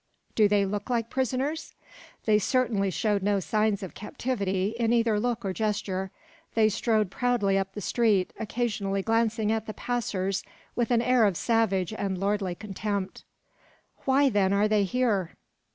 "Do they look like prisoners?" They certainly showed no signs of captivity in either look or gesture. They strode proudly up the street, occasionally glancing at the passers with an air of savage and lordly contempt. "Why, then, are they here?